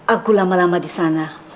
aku lama lama di sana